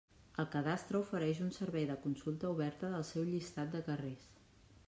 El cadastre ofereix un servei de consulta oberta del seu llistat de carrers.